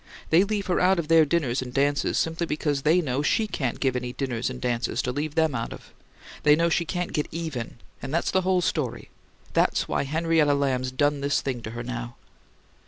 They leave her out of their dinners and dances simply because they know she can't give any dinners and dances to leave them out of! They know she can't get EVEN, and that's the whole story! That's why Henrietta Lamb's done this thing to her now."